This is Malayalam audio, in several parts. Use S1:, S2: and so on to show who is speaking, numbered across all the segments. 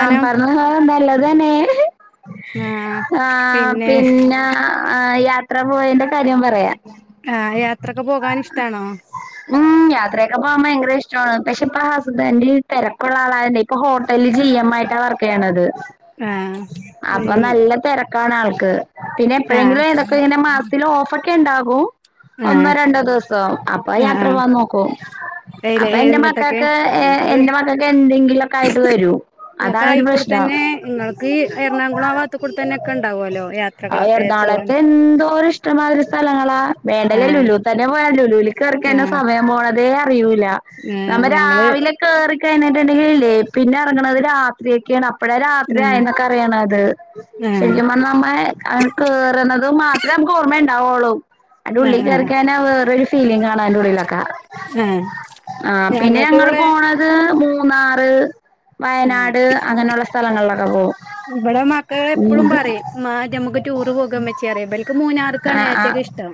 S1: ആഹ് പറഞ്ഞ [unintelligible] ന്താ ള്ളതന്നെ
S2: ആ
S1: ആഹ് പിന്നെ യാത്ര പോയിന്റെ കാര്യം പറയാ
S2: ആഹ് യാത്രൊക്കെ പോകാൻ ഇഷ്ടാണോ
S1: ഉം യാത്രയൊക്കെ പോകാൻ ഭയങ്കര ഇഷ്ടമാണ് പക്ഷെ ഇപ്പ ഹസ്ബന്റ് തെരക്കുള്ള ആളായത് കൊണ്ടേ ഇപ്പൊ ഹോട്ടലില് ജി എം മായിട്ടാണ് വർക്ക് ചെയ്യണത്
S2: ആഹ്
S1: അപ്പൊ
S2: ഉം
S1: നല്ല തെര ക്കാണ് ആൾക്ക് പിന്നെ
S2: ആഹ്
S1: എപ്പോഴെങ്കിലും ഏതൊക്കെ ഇങ്ങനെ മാസത്തിൽ ഓഫൊക്കെണ്ടാകും ഒന്നോ
S2: ആഹ്
S1: രണ്ടോ ദിവസം അപ് പ്പോ
S2: ആഹ്
S1: യാത്ര
S2: ആഹ്
S1: പോവാൻ നോക്കും
S2: ഏലെ
S1: അപ്പൊ എന്റെ
S2: എങ്ങട്ടൊക്കെ
S1: മക്കൾക്ക്
S2: ഇങ്ങക്ക്
S1: എന്റെ മക്കൾക്ക് എന്തെങ്കിലൊ ക്കെ ആയിട്ട് വരും
S2: ഇങ്ങക്ക്
S1: അതാണ് ഒരു
S2: ആയിക്കൂടെ
S1: പ്രശ്നം
S2: തന്നെ ഇങ്ങൾക്ക് എറണാകുളം ആ ഭാഗത്ത് കൂടെ തന്നെ ഒക്കെ ഉണ്ടാവുമല്ലോ
S1: ആഹ്
S2: യാത്രകളൊക്കെ പോവാൻ
S1: എറണാകുളത്തെ എന്തോരു ഇഷ്ടമാതിരാ സ്ഥലങ്ങളാ വേണ്ടേ
S2: ആഹ്
S1: ലുലു തന്നെ പോയാ ലുലൂല്ക്ക് കടക്കണ
S2: ആഹ്
S1: സമയം പോണതേ അറിയൂല
S2: ആഹ്
S1: നമ്മ
S2: ഞങ്ങള്
S1: രാവിലെ കേറി കഴിഞ്ഞിട്ടുണ്ടെങ്കിൽ ഇല്ലേ പിന്നെ ഇറങ്ങണത്- രാത്രിയൊക്കെയാണ്. ഇപ്പടെ രാത്രി ആയ
S2: ആഹ്
S1: എന്നൊക്കെ- അറിയണ അത്
S2: ആഹ്
S1: ശരിക്കും പറ നമ്മ- ങ്ങനെ കേറുന്നത് മാത്രമേ നമുക്ക്- ഓർമ്മ ഉണ്ടാവുള്ളൂ അയ്ന്റെ ഉള്ളിൽ
S2: ആഹ്
S1: കേറി
S2: ആഹ്
S1: കയ്- വേറെ ഒരു ഫീലിങ്ങാണ് അയ്‌ന്റെ ഉള്ളോലൊക്കെആഹ്
S2: ആഹ്
S1: പിന്നെ
S2: ഞങ്ങൾക്ക്
S1: ഞങ്ങള്
S2: ഇവിടെ
S1: പോണ- ത് മൂന്നാറ്,
S2: ആഹ്
S1: വയനാട് അങ്ങനെയുള്ള- സ്ഥലങ്ങളിലൊക്കെ പോകും.
S2: ഇവിടെ മക്കൾ പ്പോഴും പറയും മ്മാ ഞമ്മക്ക് ടൂറ് പോകാ മ്മച്ചിയേ ഇവര്ക്ക് മൂന്നാർക്കാണ് ഏറ്റവും ഇഷ്ടം.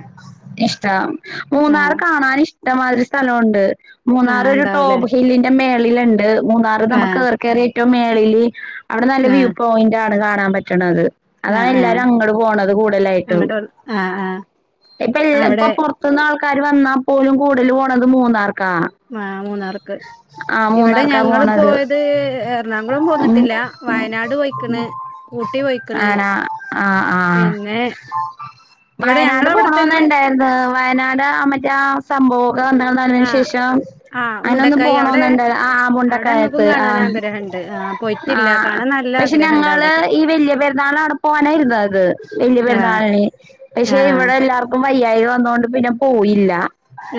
S1: ഇഷ്ടം മൂന്നാർ
S2: ആഹ്
S1: കാണാൻ ഇഷ്ട- ഇമാതിരി സ്ഥലണ്ട് മൂന്നാർ
S2: ആഹ്
S1: ഒരു-
S2: ഉണ്ടാവൂലേ
S1: ടോപ്പ് ഹില്ലിന്റെ മേളിലുണ്ട് മൂന്നാറ്
S2: ആഹ്
S1: നമുക്ക് കേ- കേറിറ്റവും മേളില് അവിടെ നല്ല വ്യൂ
S2: ആഹ്
S1: പോയിന്റ് ആണ് കാണാൻ പറ്റണത്. അതാണ്
S2: ആഹ് ആഹ്
S1: എല്ലാരും അങ്ങോട്- പോണത് കൂടുതലായിട്ടും
S2: അങ്ങട്ട് ആഹ് ആഹ്
S1: ഇപ്പ എല്ല
S2: അവിടെ
S1: ഇപ്പോ- മത്തൊന്ന് ആൾക്കാർ വന്നാൽ- പോലും കൂടുതൽ പോണത് മൂന്നാർക്കാണ്.
S2: ആഹാ മൂന്നാർക്ക് ഇവിടെ ഞങ്ങള്
S1: പോണത്.
S2: പോയത്. അത് എറണാകുളം
S1: ഉം
S2: പോന്നിട്ടില്ല- വയനാട് പോയിക്കണ് ഊട്ടി- പോയിക്കണ്.
S1: ആണാ ആഹ് ആഹ്...
S2: പിന്നെ വിടെ ഞങ്ങളവിടെ- തന്നെ
S1: ന്നുണ്ടായിരുന്നു വയനാട് ആ മറ്റെ സംഭവം. ക്ക വന്നതിന്
S2: ആഹ്
S1: ശേഷം
S2: ആഹ്
S1: അതിനനൊന്ന്
S2: മുണ്ടക്കായി അവിടെ
S1: പോണന്നണ്ട് ആഹാ ആഹാ
S2: അവിടെ
S1: ബുണ്ടക്കായ.
S2: ഞങ്ങക്കും കാണാൻ
S1: ആഹ്
S2: ആഗ്രഹണ്ട് ആഹ് പോയിട്ടില്ല
S1: ആഹ്
S2: കാണാൻ നല്ല
S1: പക്ഷെ
S2: ആഗ്രഹണ്ട്
S1: ഞങ്ങള്
S2: അവിടൊക്കെ
S1: ഈ വല്യ പെരുന്നാള- പോനായിരുന്ന അത് വലിയ-
S2: ആഹ്
S1: പെരുന്നാളിന് പക്ഷെ
S2: ആഹ്
S1: ഇവിടെ- എല്ലാവർക്കും- അപ്പം വയ്യായി വന്നൊണ്ട് പിന്നെ പോയില്ല.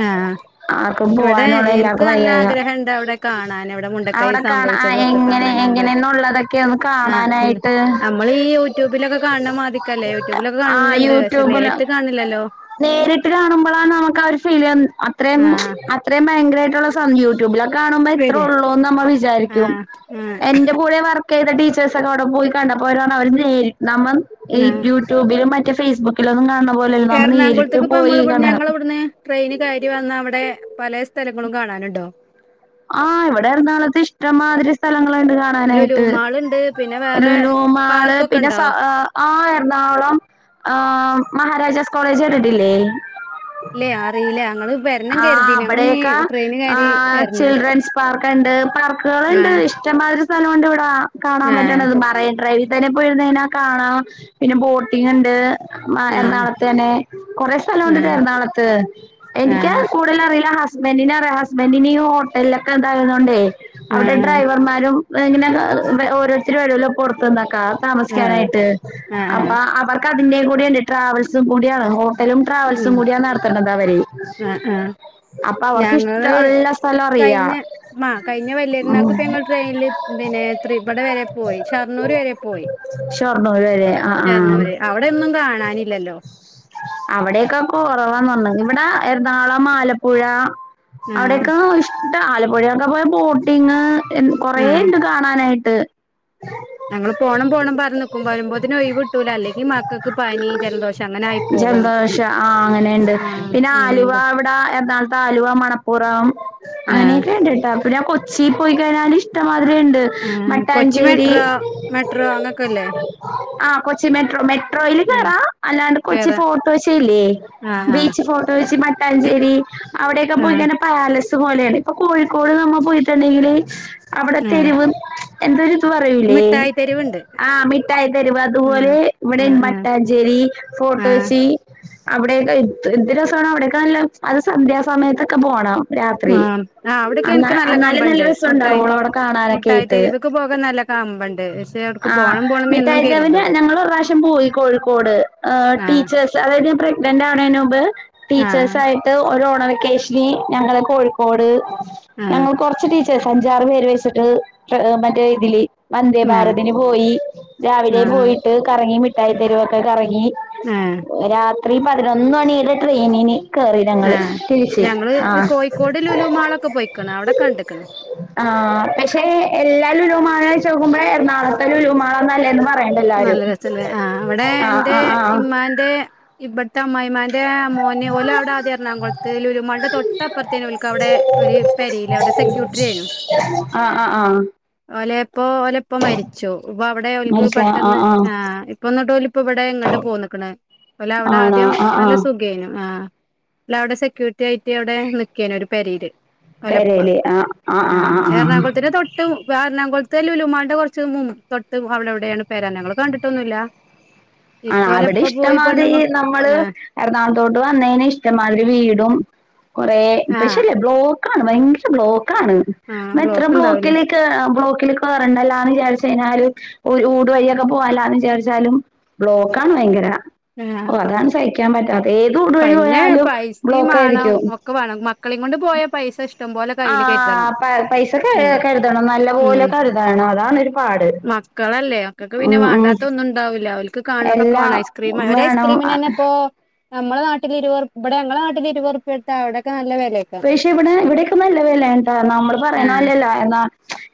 S2: ആഹ്
S1: ആർക്കും
S2: ഇവിടെ
S1: പോവാനുള്ള
S2: എന്ക്ക്
S1: എല്ലാർക്കും
S2: നല്ല-
S1: വയ്യായിക
S2: ആഗ്രഹണ്ട് അവിടെ കാണാൻ എവിടെ. മുണ്ടക്കൈ
S1: അവിടെ കാണാ
S2: സംഭവിച്ചതൊക്കെ-
S1: എങ്ങനെ
S2: കാണാനല്ല
S1: എങ്ങനെന്നുള്ളതൊക്കെ ഒന്ന്
S2: ആഹാ
S1: കാണാനായിട്ട്
S2: നമ്മൾ ഈ- യൂട്യൂബിലൊക്കെ കാണാ- മതിക്കല്ലേ യൂട്യൂബിലൊക്കെ
S1: ആഹ്
S2: കാണുന്നുണ്ട് പക്ഷെ,
S1: യൂട്യൂബില്
S2: നേരിട്ട കാണില്ലല്ലോ?
S1: നേരിട്ട് കാണുമ്പോഴാണ് നമുക്ക ഫീൽ ചെയ്യ അത്രയും,
S2: ആഹ്
S1: അത്രയും ഭയങ്കരമായിട്ടുള്ള- യൂട്യൂബിലൊ കാണുമ്പോ ത്രേ-
S2: വര്
S1: ഉള്ളൂന്ന് നമ്മൾ വിചാരിക്കും.
S2: ആഹ് ആഹ്
S1: എന്റെ കൂടെ വർക്ക് യ്ത ടീച്ചേഴ്സ് ഒക്കെ അവിടെ പോയി- കണ്ടപ്പോരാണ് അവര് നമ്മ ഈ-
S2: ആഹ്
S1: [unintelligible] യൂട്യൂബിലും മറ്റേ- ഫേസ്ബുക്കിലൊന്നും കാണ- പോലല്ലോ, നമ്മൾ നേരിട്ട്
S2: എറണാകുളത്തേക്ക് ഇപ്പ
S1: പോയി
S2: നമ്മള് ഇവിടുന്ന്
S1: കാണണം.
S2: ഞങ്ങള് ഇവിടുന്ന് ട്രെയിന് കയറി വന്നാ അവിടെ പലേ- സ്ഥലങ്ങളും കാണാനുണ്ടോ?
S1: ആഹ് വിടെ എറുന്നാകുളത്- ഇഷ്ടമാതിരി സ്ഥലങ്ങളുണ്ട് കാണ-
S2: ലുലു
S1: നായിട്ട്,
S2: മാളുണ്ട് പിന്നെ വേറെ
S1: ലലു മാള്
S2: പാർക്കൊക്കെ
S1: പിന്നെ-
S2: ഉണ്ടോ
S1: ആഹ് എറണാകുളം ആഹ്.. മഹാരാജാസ് കോളേജ് കേട്ടിട്ടില്ലേ?
S2: ഇല്ലേ അറിയില്ല ഞങ്ങള് വരണം
S1: ആഹ
S2: കരുതി ഞങ്ങള്
S1: ഇബടെ
S2: ഇനി
S1: യ്ക്ക
S2: ട്രെയിന് കയറി
S1: ആഹാ..
S2: വരണം
S1: ചിൽഡ്രൻസ് പാർക്ക്ണ്ട്, പാർക്കുക ഉണ്ട്
S2: ആഹ്
S1: ഇഷ്ടംമാതിരി സ്ഥലമുണ്ട് ഇവിടാ. കാണാൻ പറ്റണത് മറൈൻ- ഡ്രൈവിൽ തന്നെ പോയിരുന്നതിനാ, കാണാം പിന്നെ- ബോട്ടിംഗണ്ട് ഉം
S2: ആഹ്
S1: എറണാളത്തന്നെ കൊറേ സ്ഥലംണ്ടിട്ടാ
S2: ആഹ്
S1: എറണാകുളത്ത്. എനിക്ക കൂടുതൽ അറിയ ഹസ്- ഹസ്ബന്റിനറിയ ഹസ്ബന്റിനെഈ- ഹോട്ടലൊക്കെ ഇതായിരുന്നുണ്ടേ-
S2: ആഹ്
S1: അവിടെ
S2: ആഹ്
S1: ഡ്രൈവർമാരും, എങ്ങനെ ഓരോരുത്തരു വരല്ലോ? പൊറത്ത് നിന്നാക്കാ-
S2: ആഹ്
S1: താമസിക്കാനായിട്ട്
S2: ആഹ് ആഹ്
S1: അപ്പോ
S2: ആഹ്
S1: അവർ- അതിന്റെയും കൂടിയുണ്ട്, ട്രാവൽസും കൂടിയാണ്. ല ട്രാവൽസും കൂടിയ നടത്തേണത്. അവരെ
S2: ആഹ് ആഹ് ആഹ്
S1: അപ്പ അവർക്ക് ഇഷ്ടമുള്ള സ്ഥല- റിയ.
S2: ആ കഴിഞ്ഞ വല്യ രുന്നാക്ക് ഇപ്പ ഞങ്ങൾ ട്രെയിനിൽ പിന്നെ- ത്രിഇപടെ വരെ പോയി ഷർണൂർ വരെ പോയി.
S1: ഷോർ- [unintelligible] ആഹ്.
S2: ഷൊർണ്ണൂർ അവിടെ ഒന്നും കാണാനില്ലല്ലോ?
S1: അവിടെക്കെ കുറവാന്ന് പറഞ്ഞ- ഇവിടെ എറണാകളം, ആലപ്പുഴ-
S2: ആഹ്
S1: അവിടെക്കെ ഇഷ്ട- ആലപ്പുഴൊക്കെ പോയ ബോട്ടിങ്
S2: ആഹ്
S1: കൊറെണ്ട്. ണാനായിട്ട്.
S2: ഞങ്ങള് പോണം, പോണം പറഞ്ക്കും വരുമ്പോതിന് ഒയി വിട്ടൂല, അല്ലെങ്കിൽ മക്കൾക്ക് പനി, ജലദോഷം- അങ്ങനെ ആയി പോകും
S1: ജലദോഷ ആഹ് അങ്ങനെയുണ്ട്.
S2: ആഹ്
S1: പിന്നെ ആലുവ
S2: അങ്ങനെണ്ട്
S1: ഇവിടെ എറണാകുളത്ത് ആലുവ, മണപ്പ- പുറം
S2: ആഹ്
S1: അങ്ങനെയൊക്കെ ഉണ്ട് കേട്ടാ പിന്നെ ആ കൊച്ചിൽ പോയി കഴിഞ്ഞാല് ഇഷ്ടംമാതിരി ഉണ്ട്
S2: കൊച്ചി മെട്രോ മെട്രോ അങ്ങക്ക്
S1: ആ കൊച്ചി മെട്രോ മെട്രോയിൽ
S2: ഉം
S1: കേയറാ അല്ലാണ്ട് കൊച്ചി
S2: കേറാ
S1: ഫോർട്ട്‌ കൊച്ചി ഇല്ലേ
S2: ആഹ് ആഹ്
S1: ബീച്ച് ഫോർട്ട്‌ കൊച്ചി മട്ടാഞ്ചേരി അവിടെക്കെ
S2: ആഹ്
S1: പോയിക്കഴിഞ്ഞ പാലസ് പോലാണ് ഇപ്പൊ കോഴിക്കോട് നമ്മൾ പോയിട്ടുണ്ടെങ്കില് അവിടെ
S2: ആഹ്
S1: തെരുവ് എന്തോ ഒരു ഇത് പറയൂലേ
S2: മിഠായി തെരുവുണ്ട്
S1: ആഹ മിഠായി തെരുവ്
S2: ആഹ്
S1: അതുപോലെ ഇവിടെ
S2: ആഹ് ആഹ്
S1: മട്ടാഞ്ചേരി ഫോർട്ട്കൊച്ചി അവിടെക്കെ എത് രസമാണ് അവിടെക്കെ നല്ല അത് സന്ധ്യ സമയത്തൊക്കെ പോണം രാത്രി
S2: ആഹ് ആഹ് അവിടൊക്കെ എനിക്ക്
S1: എന്നാലും നല്ല
S2: കമ്പണ്ട്
S1: രസം
S2: മുട്ടായി
S1: ഉണ്ടാവുള്ളു അവിടെ കാണാനൊക്കെ
S2: മുട്ടായി
S1: ആയിട്ട്
S2: തെരുവ്ക്ക് പോകാൻ നല്ല കമ്പണ്ട് പക്ഷെ അവ്ട്ക്ക്
S1: ആഹ
S2: പോണം പോണം എന്നും
S1: മിഠായിത്തെരുവിൽ
S2: കരുതും
S1: ഞങ്ങൾ ഒരു പ്രാവശ്യം പോയി കോഴിക്കോട്
S2: ആഹ്
S1: ടീച്ചേഴ്സ് അതായത് പ്രെഗ്നന്റ് ആവണതിന് മുമ്പ്
S2: ആഹ്
S1: ടീച്ചേഴ്സ് ആയി ഒരു ഓണംവെക്കേഷന് ഞങ്ങൾ കോഴിക്കോട്
S2: ആഹ്
S1: ഞങ്ങൾ കുറച്ച് ടീച്ചേഴസ് അഞ്ചാറ് പേര് വെച്ചിട്ട് മറ്റേ ഇതില്
S2: ആഹ്
S1: വന്ദേഭാരതിന് പോയി രാവിലെ
S2: ആഹ്
S1: പോയിട്ട് കറങ്ങി മിഠായിത്തെരുവൊക്കെ കറങ്ങി
S2: ആഹ്
S1: രാത്രി പതിനൊന്ന് മണിയടെ ട്രെയിനിന് കേറി ഞങ്ങള്
S2: ആഹ്
S1: തിരിച്
S2: ഞങ്ങള് കോഴിക്കോട് ലുലുമാളൊക്കെ പൊയ്ക്കണ് അവിടെ കണ്ട്ക്കണ്
S1: ആ പക്ഷെ എല്ലാ ലുലു മാകും വെച്ച് നോക്കുമ്പോൾ എറണാകുളത്തെ ലുലുമാൾ ആണ് നല്ലത് എന്ന് പറയുന്നുണ്ട്
S2: നല്ല രസല്ലേ ആഹ അവിടെ എറെ
S1: ആഹ് ആഹ്
S2: ഉമ്മാന്റെ ഇവിടുത്തെ അമ്മായിമാന്റെ മോനെ ഇതുപോലെ അവിടെ എറണാകുളത്ത് ലുലു മളുടെ തൊട്ടപ്പുറത്തേനു ഒരുക്ക് അവിടെ ഒരു പെരീലവിടെ സെക്കൂട്രിയേനു
S1: ആഹ ആഹ് ആഹ
S2: ഓലയപ്പോ ഓലിപ്പ മരിച്ചു ഇപ്പൊ അവിടെ അവടെ ഓലക്ക്
S1: മനസ്സില ആഹ്
S2: പെട്ടെന്ന്
S1: ആഹ്
S2: ആ ഇപ്പൊന്നിട്ട് ഓര് ഇപ്പ ഇവിടെ ഇങ്ങോട്ട് പോന്നക്കണ് [unintelligible] അവിടെ
S1: ആണോ
S2: ആദ്യം
S1: ആഹ്
S2: നല്ല
S1: ആഹ്
S2: സുഖ അയിന് ആഹ് അവിടെ സെക്യൂരിറ്റി ആയിട്ട് അവിടെ നിക്കേണ് ഒരു പെരയില് ഒലപ്പ
S1: പെരേല് ആഹ് ആഹ് ആഹ്
S2: ആഹ
S1: ആഹ് ആഹ്
S2: എറണാകുളത്തിന് തൊട്ട് തൊട്ട് എറണാകുളത്ത് ലുലുമാളന്റെ കുറച്ച് തൊട്ട് അവിടെവിടെയാണ് പെര നങ്ങൾ കണ്ടിട്ടൊന്നുല്ല
S1: ആഹ്
S2: ഇപ്പോ
S1: അവിടെ
S2: ഓലെപ്പ പോയി
S1: ഇഷ്ടമാതിരി
S2: പെണ്ണുങ്ങൾ
S1: നമ്മള്
S2: ആഹ്
S1: എറണാകുളത്തോട്ട് വന്നതിന് ഇഷ്ടമാതിരി വീടും കൊറെ
S2: ആഹ്
S1: പക്ഷെല്ലേ ബ്ലോക്ക് ആണ് ഭയങ്കര ബ്ലോക്ക്
S2: ആഹ്
S1: എന്ന എത്ര
S2: ബ്ലോക്ക് ഇണ്ടാവൂലേ
S1: ബ്ലോക്കിലേ ബ്ലോക്കിലൊക്കെ വരണ്ടല്ലാന്ന് വിചാരിച് കഴിഞ്ഞാല് ഊട് വഴിയൊക്കെ പോകാല്ലാന്ന് വിചാരിച്ചാലും ബ്ലോക്ക്‌ ആണ് ഭയങ്കര
S2: ആം
S1: ഓഹ് അതാണ് സഹിക്കാൻ ക്കാൻ പറ്റതെ ഏത് ഊടുവഴി പോയാലും
S2: പൈസിം
S1: ബ്ലോക്ക്
S2: മാണം
S1: ആയിരിക്കും
S2: ഒക്കെ വേണം മക്കളീം കൊണ്ട് പോയാ പൈസ ഇഷ്ടം പോലെ
S1: ആ
S2: കയ്യില് കരുതണം
S1: പൈസ
S2: ഉം
S1: കരുതണം നല്ല പോലെ കരുതണം അതാണ് ഒരു പാട്
S2: മക്കളല്ല മക്കക് പിന്നെ
S1: ഉം ഉം
S2: വേണ്ടാത്തത് ഒന്നും ഉണ്ടാവില്ല അവർക്ക് കാണതൊക്കെ
S1: എല്ലാം
S2: വേണം ഐസ്ക്രീം ഒരു
S1: വേണം
S2: ഐസ്ക്രീമിന്ന്തന്നെ ഇപ്പോ ഇവിടെ നമ്മുടെ നാട്ടിലെ ഇരുപത് റുപ് ഇവിടെ ഞങ്ങടെ നാട്ടിൽ ഇരുപത് റുപ്യെടുത്താൽ അവിടേക്കെ നല്ല വേലെയാ
S1: പക്ഷേ ഇവിടെ ഇവിടയൊക്കെ നല്ല വില ഉണ്ട് കേട്ട നമ്മള്
S2: ആഹ്
S1: പറയണപോലെ അല്ല എന്നാ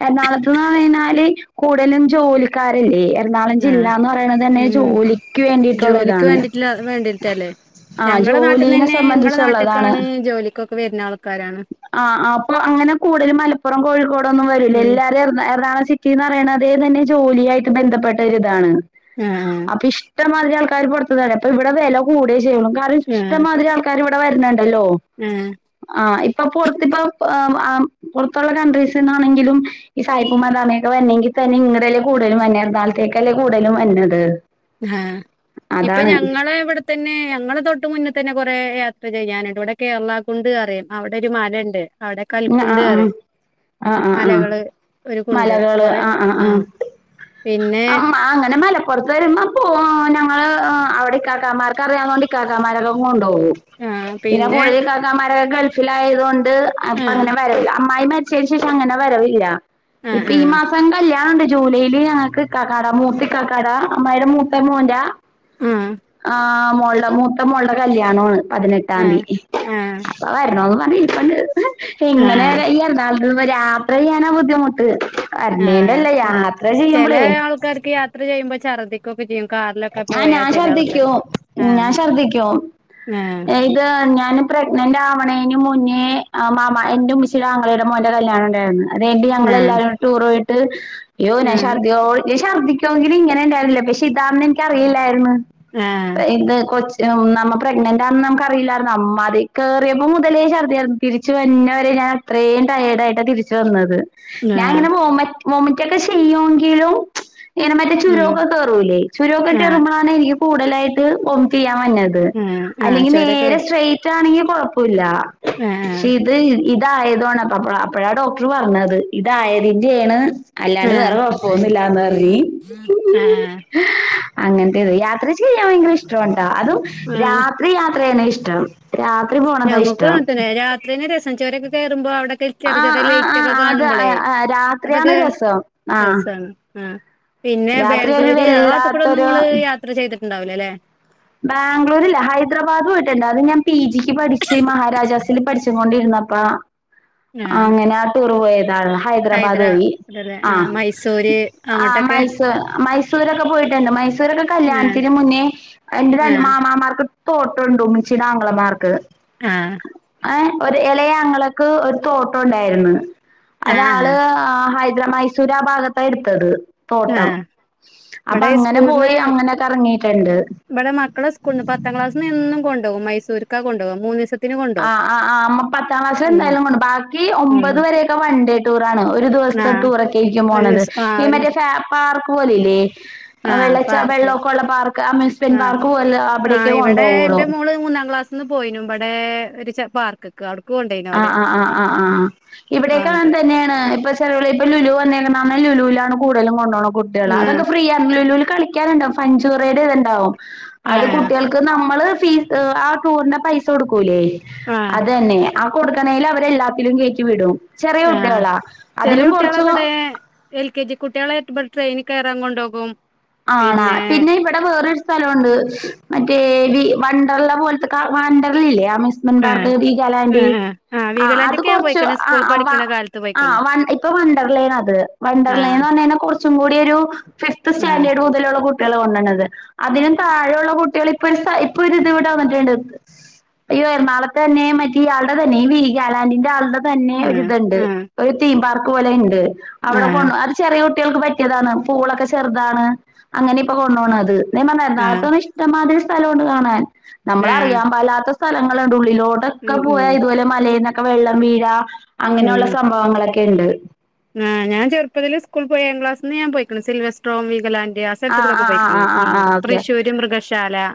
S1: എറണാകുളത്ത് എന്ന് പറഞ്ഞാൽ കുടുതലും ജോലി ക്കാരല്ലേ എറണാുളം
S2: ആഹ്
S1: ജില്ലന്ന് പറയ തന്നെ
S2: ഉം
S1: ജോലിക്ക് വേണ്ടിട്ടുള്ള
S2: ജോലിക്ക്
S1: ഇതാണ്
S2: വേണ്ടിട്ടില്ല വേണ്ടിട്ടല്ലേ
S1: ആഹ്
S2: ഞങ്ങളെ
S1: ജോലീനെ സംബന്ധിച്ചുള്ളതാണ്
S2: കൊക്കെ വരുന്ന ആൾക്കാരാണ്
S1: ആഹ് ആഹ് അപ്പൊ അങ്ങനെ കുടുതലും മലപ്പുറം കോഴിക്കോട് ഒന്നും വരുല്ല
S2: ഉം
S1: എല്ലാരും എറണാകുളം ജില്ല [unintelligible] പറയണത് തന്നെ ജോലിയായിട്ട് ബന്ധപ്പെട്ട ഒരി ഇതാണ്
S2: ആഹ്
S1: അപ്പൊ ഇഷ് ഇഷ്ടമാതിരി ആൾക്കാർ പുറത്തുന്നു വരുന്നു അപ്പൊ ഇവിടെ വില കൂടയേ ചെയ്യുള്ളു കാരണം
S2: ആഹ്
S1: ഇഷ്ടമാതിരി ആൾക്കാർ ഇവിടെ വരുന്നുണ്ടല്ലോ
S2: ആഹ്
S1: ആഹ് ഇപ്പൊ പുറത്തിപ്പ [unintelligible] പുറത്തുള്ള കൺട്രീസിൽന്നാണെങ്കിലും ഈ സായിപ്പും മദാമ്മയും ഒക്കെ വരണെങ്കിൽ തന്നെ ഇങ്ങടല്ലേ കൂടുതലും വന്നത് എറണാകുളത്തെ അല്ലെ കൂടുതലും വന്നത്
S2: ആഹ ഇപ്പൊ
S1: അതാണ്
S2: ഞങ്ങള്‌ ഇവിടെ തന്നെ ഞങ്ങളെ തൊട്ട് മുന്നിൽ തന്നെ കൊറെ യാത്ര ചെയ്യാനുണ്ട് ഇവിടെ കേരള കുണ്ട് അറിമ് അവിടെ ഒരു മലണ്ട് അവിടെ കൽകുണ്ട് അറിമ്
S1: ആഹ ആഹ് ആഹ
S2: കുണ്ട്
S1: മലകള്
S2: കൊറെ
S1: ആഹ് ആഹ്
S2: ആ
S1: ആഹ
S2: പിന്നെ
S1: അമ്മാ അങ്ങനെ മല പുറത്ത് വരുമ്പോ പോവും ഞങ്ങള് അവിടെ ഇകാക്കാമാർക്ക് അറിയാവുന്നോണ്ട് ഇക്കാക്കാമാരൊക്കെ കൊണ്ടുപോകും പിന്നെ കൂടുതൽ ഇകാക്കാൻമാരൊക്കെ ഗൾഫിലായതോണ്ട്
S2: ആ
S1: അങ്ങനെ വരവില്ല അമ്മായി മരിച്ചേന് ശേഷം അങ്ങനെ വരവില്ല
S2: ആ
S1: ഇപ്പൊ
S2: ആ
S1: ഈ മാസം കല്യാ ണണ്ട് ജൂലൈൽ ഞങ്ങക്ക് ഇകാക്കാടേ മൂത്തി ഇകാക്കാട അമ്മായിടെ മൂത്ത മോന്റെ
S2: ആ
S1: ആഹ് മോൾടെ മൂത്ത മോൾടെ കല്യാണാണ്
S2: ആ ആ
S1: പതിനെട്ടാംതി
S2: ആ
S1: അപ്പ വരണോന്ന് പറഞ്ഞ് ഇരിപ്പ്ണ്ട് എങ്ങനേ വരാ ഈ യാത്ര ചെയ്യാനാ ബുദ്ധിമുട്ട് വര്ണേണ്ടല്ല യാത്ര ചെയ്യുമ്പളെ
S2: എടക്ക് യാത്ര ചെയ്യുമ്പോ ഛർദിക്കൊക്കെ ചെയ്യും കാറിലൊക്കെ
S1: ആഹ്
S2: പോയാ
S1: ഞാൻ
S2: ചെല
S1: ശർദ്ദിക്കും
S2: ആൾക്കാർക്ക് ആ
S1: ഞാൻ ശർദ്ദിക്കും
S2: ആ
S1: ഇത് ഞാന് പ്രഗ്നന്റ് ആവണേന് മുന്നേ മാമ എന്റെ ഉമ്മച്ചിയുടെ ആങ്ങളടെ മോന്റെ കല്യാണം ഉണ്ടായിരുന്നു അതെയ്ട്ട്
S2: ആ
S1: ഞങ്ങൾല്ലാരും കൂടെ ടൂർ പോയിട്ട് അയ്യോ ഞാൻ ശർദിയോ ശർദ്ദിക്കുങ്കിലും ഇങ്ങനെ ഉണ്ടായിര്ന്നില്ല പക്ഷെ ഇതാന്ന് എനിക്കറിയില്ലായിരുന്നു
S2: ആ ആ
S1: ഇത് കൊ നമ്മ പ്രെഗ്നന്റാണ്ന്ന് നമുക്ക് അറിയില്ലായിരുന്നു അമ്മാതി കേയറിയപ്പോ മുതലേ ശർദിയാരുന്നു തിരിച്ചു വര്ന്നെ വരെ ഞാൻ അത്രേം ടയേർഡയിട്ടാ തിരിച്ചു വന്നത്
S2: ആ
S1: ഞാൻ ഇങ്ങനെ വോമ്മറ്റൊ വോമോറ്റൊക്കെ ചെയ്യോങ്കിലും ഇങ്ങനെ മറ്റേ
S2: ഉം
S1: ചുരൊക്കെ കേറൂലേ ചുരൊക്കെ
S2: ആ
S1: കെറുമ്പോഴാണ് എനിക്ക് കൂടുതലായിട്ട് ഓമൈറ്റ് ചെയ്യാൻ വന്നത്
S2: ആ ആ
S1: അല്ലെങ്കിൽ
S2: ചൊരൊക്കെ
S1: നേരെ സ്ട്രൈറ്റ് ആണെങ്കിൽ കുഴപ്പല്ല
S2: ആ
S1: പഷെ ഇത് ഇത് ഇതായതാണ് അപ്പ അപ്പഴാ ഡോക്ടർ പറഞ്ഞത് ഇതായതിന്റെണ്
S2: ആ
S1: അല്ലാണ്ട് വേറെ കൊഴപ്പൊന്നില്ലാന്ന് പറീഞ്ഞ്
S2: ഏഹ്
S1: അങ്ങനത്ത യാത്ര ചെയ്യാൻ ഭയങ്കര ഇഷ്ടാണ്ട്ടാ അതും രാത് ത്രി യാത്ര ചെയ്യന്നാ ഇഷ്ടം രാത്രി പോണതാ ഇഷ്ടം
S2: രാത്രി തന്നെ രസം ചൊരൊക്കെ കേറുമ്പോ അവിടെക്കെ
S1: ആ
S2: ചെറിയ ചെറിയ
S1: ആ ആ
S2: ലൈറ്റ്ഒക്കെ
S1: അത്
S2: കാണുമ്പളേ
S1: രാത്രിയാണ്
S2: അതൊക്കെ
S1: രസം ആ
S2: രസാണ് ആഹ് പിന്നെ
S1: രാത്രി ഒരു
S2: ബാംഗ്ലൂര് ആ ഭാത്ത്കൂടെ ഒന്നും
S1: വല്ലാത്തൊരു
S2: ഇങ്ങള് യാത്ര ചെയ്തിട്ടുണ്ടാവൂലല്ലേ
S1: ബാംഗ്ലൂരില്ല ഹൈദരാബാദ് പോയിട്ടുണ്ട് അത് ഞാൻ പി ജിക്ക് പഠിച്ച് മഹാരാജാസ് ത്തില് പഠിച്ച്കൊണ്ടിരുന്നപ്പ
S2: ആഹ്
S1: അങ്ങനെ ആ ടൂറ് പോയതാണ്ലൊ ഹൈദരാബാദ്
S2: ഹൈദരാ
S1: വഴി
S2: അതല്ലേ
S1: ആഹ്
S2: മൈസൂര്
S1: ആഹ്
S2: അങ്ങോട്ടൊക്കെ
S1: മൈസൂ മൈസൂരൊക്കെ പോയിട്ടുണ്ട് മൈസൂരൊക്കെ
S2: ആഹ്
S1: കല്യാണത്തിന് മുന്നേ എന്റെ ര
S2: ആഹ്
S1: മാമാമാർക്ക് തോട്ടം ഉണ്ട് ഉമ്മിച്ചിടെ ആങ്ങളമാർക്ക്
S2: ആഹ്
S1: ഹേ ഒരു എളയെ ആങ്ങളക്ക് ഒരു തോട്ടം ഉണ്ടായിരുന്ന് അത് ആള്
S2: ആഹ്
S1: ഹൈദ്ര മൈസൂര് ആ ഭാഗത്താ എടുത്തത് തോട്ടം
S2: ആഹ്
S1: അപ്പൊ
S2: ഇവിടെ
S1: അങ്ങനെ
S2: സ്കൂൾന്ന്
S1: പോയി അങ്ങനെ കറങ്ങിട്ടുണ്ട്
S2: ഇവിടെ മക്കളെ സ്കൂള്ന്ന് പത്താം ക്ലാസ്ന്ന് എന്നും കൊണ്ടോവും മൈസൂർക്കാ കൊണ്ടോവ മൂന്നി ദിവസം
S1: ആഹ് ആഹ് പത്താം ക്ലാസ്സിൽ
S2: ഉം
S1: എന്തായാലും കൊണ്ടു ബാക്കി ഒമ്പത്
S2: ഉം
S1: വരെയൊക്കെ വൺ ഡേ ടൂർ ആണ് ഒരു ദിവസ
S2: ആഹ്
S1: ടൂറൊക്കേരിക്കും
S2: ഒരു
S1: പോണത്
S2: ദിവസം ആഹ്
S1: ഈ
S2: ഒരു
S1: മറ്റേ
S2: ദിവസം
S1: ഫാ പാർക്ക് പോല ഇല്ലേ
S2: ആഹ്
S1: വെള്ളച്ച
S2: പാർക്ക്
S1: വെള്ളം ഒക്ക ഉള്ള പാർക്ക് അമ്യൂസ്മെന്റ്
S2: ആഹ്
S1: പാർക്ക് പോലെ അവിടേക്കെ കൊണ്ടോവൊള്ളൂ
S2: ഇന്നു പോയിനു ഇബടെ ഒരു ച പാർക്ക് ക്കക്ക്‌ അവിട്ക്ക്‌ കൊണ്ടേയിനു
S1: ആഹ് ആഹ് ആഹ് ആഹ് ഇവിടെയൊക്കെ അങ്ങനെ
S2: അങ്ങട്ട്
S1: തന്നെയാണ് ഇപ്പൊ ചെറുകൾപ്പ ലുലു വന്നേക്കുന്ന കാരണം ലുലുലാണ് കൂടുതലും കൊണ്ടോണ് കുട്ട്യാളെ അതൊക്കെ
S2: ആഹ്
S1: ഫ്രീയാരുന്നു ലുലുവില് കളി ക്കാൻ ഇണ്ടാവും ഫഞ്ചുറയുടെ ഇത് ഇണ്ടാവും അത്
S2: ആഹ്
S1: കുട്ട്യാൾക്ക് നമ്മള് ഫീസ് ആഹ് ടൂറിന്റെ പൈസ കൊടുക്കൂലേ
S2: ആഹ്
S1: അതന്നെ ആ കൊടുക്കണേൽ അവരെല്ലാത്തിലും കയറ്റി വിടും ചെറിയ
S2: ആഹ്
S1: കുട്ടികളാ
S2: ചെറിയ
S1: അതിലും കൊറച്ച്
S2: കുട്ടികളെവിടെ എൽ കെ ജി കുട്ട്യാളേറ്റ് ഇബടെ ട്രെയിനിൽ കേറാൻ കൊണ്ടോകും
S1: ആണാ പിന്നെ ഇവിടെ വേറൊരു സ്ഥലമുണ്ട് മറ്റേ വീ വണ്ടർല പോലത്തെ
S2: ആഹ്
S1: വണ്ടർലല്ലേ [unintelligible] വീഗാലാൻഡ്
S2: ആഹ് ആഹ് ആഹ്
S1: ആ അത്
S2: വീഗലാന്റൊക്കെ ഞാൻ
S1: കൊറച്ച്
S2: പോയിക്കണ്
S1: ആ
S2: സ്കൂൾ
S1: അവ
S2: പഠിക്കണ കാലത്ത് പോയിക്കണ്
S1: ആഹ് വണ്ട ഇപ്പൊ വണ്ടർലേണത്
S2: ആഹ്
S1: വണ്ടർലെന്ന്റഞ്ഞയിഞാ കൊറച്ചും കൂടി ഒരു ഫിഫ്യത്
S2: ആഹ്
S1: [unintelligible] മുതലുള്ള കുട്ടിയള് വന്നണത് അതിനും താഴെയുള്ള കുട്ടികള് ഇപ്പൊ ഒരു ഇപ്പൊരു ഇത്വ്ടെ വന്നിട്ട്ണ്ട് ഈ എറണാകൊളത്തന്നെ മറ്റേ ഇയാൾടെ തന്നെ ഈ വീഗാലാൻഡിന്റെ ആളുടെ തന്നെ
S2: ആഹ്
S1: ഒരിത്ണ്ട്
S2: ആഹ്
S1: ഒരു തീം പാർക്ക് പോലെയിണ്ട് അവിടെ കൊ
S2: ആഹ്
S1: ചെറിയ കുട്ടികൾക്ക് പറ്റിയതാണ് പൂളൊക്കെ ചെറുതാണ് അങ്ങനെയിപ്പൊ കൊണ്ടോണത് ഇതാ ഞപറഞ്ഞെ
S2: ആഹ്
S1: എറണാകുളത്ത് ഇഷ്ടംമാതിരി സ്ഥലവുണ്ട് കാണാൻ
S2: ആഹ്
S1: നമ്മളറിയാൻ പാടില്ലാതാ സ്ഥലങ്ങള്ണ്ട് ഉള്ളിലോട്ട് ക്കെ
S2: ഉം ഉം
S1: പോയാ ഇതുപോലെ മലേന്നൊക്കെ വെള്ളം വീഴാ അങ്ങനെയൊള്ള സംഭവങ്ങളൊക്കെയിണ്ട്
S2: ങ്ങാ ഞാൻ ചെറുപ്പത്തില് സ്കൂൾ പോയാ ഏഴാം ക്ലാസ്ൽന്ന് ഞാൻ പോയിക്ക്ണ് സിൽവെസ്ട്രോം, വീഗാലാൻഡ് യാ
S1: ആ
S2: സ്ഥലത്ത് കൂടെക്കെ
S1: ആ ആ ആ
S2: പോയിക്ണ്
S1: ആ
S2: ഉം
S1: ആ ഓക്കെ
S2: തൃശ്ശൂര് മൃഗശാല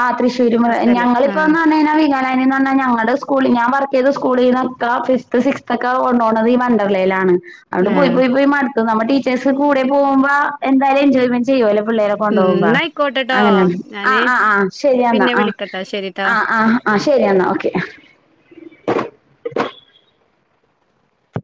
S1: ആ തൃ്ശൂര്
S2: ആ സ്ഥലം ആഹ്
S1: ഞങ്ങളിപ്പോന്ന് പറഞ്ഞഴിഞാല് ഞങ്ങടെ സ്കൂളിൽ ഞാൻ വർക്കെയ്ത സ്കൂളിന്നക്കെ ഫിഫ്ത്ത് സിക്സ് ഒക്കെ കൊണ്ടോണത് ഈ വണ്ടർലേലാണ് അഹോണ്ട് പോയി
S2: ആഹ്
S1: പോയി പോയി മട്ത്ത്ണ് നമ്മ ടീച്ചേഴസ് കൂടെ പോകുമ്പാ എന്തായലും എൻജോയ്മെന്റ് ചെയ്യൊല്ലൊ പിള്ളേരെപ്പം
S2: ഉം
S1: കൊണ്ടോകുമ്പാ
S2: ന്നായിക്കോട്ടെട്ടോ
S1: അങ്ങനെന്നെ
S2: ഞാന്
S1: ആഹാ ആഹ് ആഹ് ശെരിയെന്നാ
S2: പിന്നെ
S1: ആ
S2: വിളിക്കട്ടോ ശരിട്ടോ
S1: ആഹ് ആഹാ ആഹ് ശെരിയെന്നാ ഓക്കെ